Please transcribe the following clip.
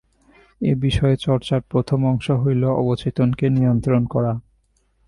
এ-বিষয়ে চর্চার প্রথম অংশ হইল অবচেতনকে নিয়ন্ত্রণ করা।